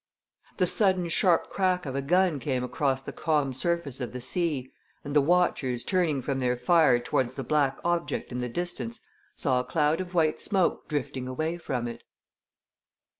The sudden sharp crack of a gun came across the calm surface of the sea, and the watchers turning from their fire towards the black object in the distance saw a cloud of white smoke drifting away from it.